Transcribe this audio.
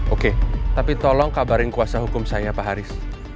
oke tapi tolong kabarin kuasa hukum saya pak haris